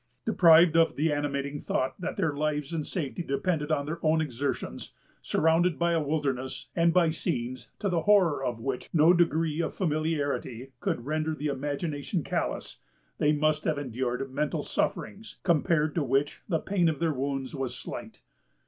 Deprived of the animating thought that their lives and safety depended on their own exertions; surrounded by a wilderness, and by scenes to the horror of which no degree of familiarity could render the imagination callous, they must have endured mental sufferings, compared to which the pain of their wounds was slight.